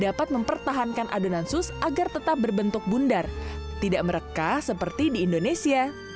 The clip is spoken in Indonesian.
dapat mempertahankan adonan sus agar tetap berbentuk bundar tidak merekah seperti di indonesia